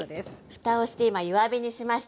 ふたをして今弱火にしました。